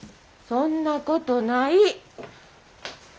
そんなことない。